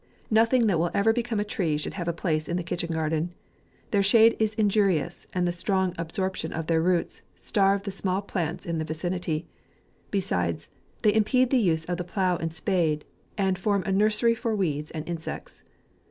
Nothing that will ever become a tree should have a place in the kitchen garden. Their shade is injurious, and the strong absorption of their roots, starve the small plants in their vicinity ;— besides, they impede the use of the plough and spade, and form a nursery for weeds and insects.